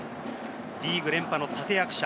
リーグ連覇の立て役者。